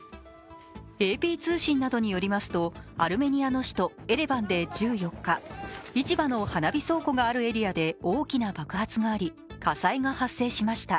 ＡＰ通信などによりますと、アルメニアの首都エレバンで１４日、市場の花火倉庫があるエリアで大きな爆発があり、火災が発生しました。